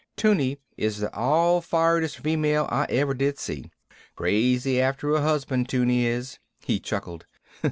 'Tunie is the all firedest female I ever did see. Crazy after a husband, 'Tunie is." He chuckled.